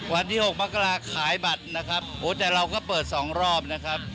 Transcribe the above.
วันที่๖มกราขายบัตรนะครับโอ้แต่เราก็เปิดสองรอบนะครับ